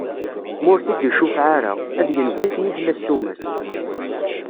Ma ur t-id-icufeɛ ara, ad yenz akken i tella ssuma-s.